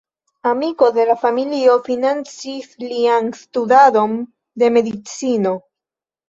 Amiko de la familio financis lian studadon de medicino.